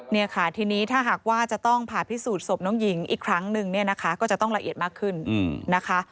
เนี่ยค่ะทีนี้ถ้าหากว่าจะต้องผ่าพิสูจนศพน้องหญิงอีกครั้งนึงเนี่ยนะคะก็จะต้องละเอียดมากขึ้นนะคะ